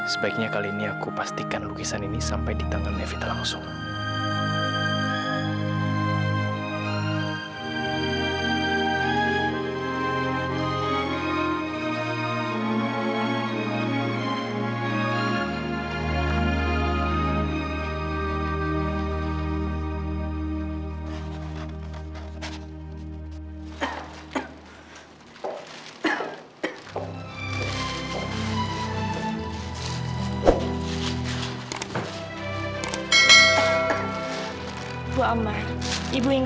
sebaiknya kali ini aku pastikan lukisan ini sampai di tangan nevi langsung